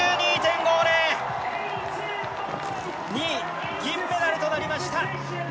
２位、銀メダルとなりました。